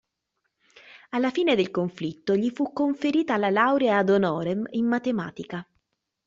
Alla fine del conflitto gli fu conferita la laurea "ad honorem" in matematica.